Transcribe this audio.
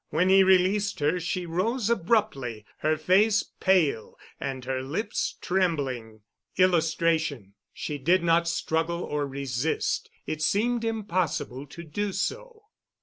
When he released her she rose abruptly, her face pale and her lips trembling. [Illustration: "She did not struggle or resist. It seemed impossible to do so."